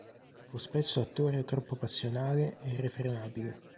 Fu spesso attore troppo passionale e irrefrenabile.